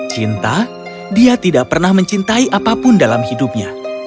cinta dia tidak pernah mencintai apapun dalam hidupnya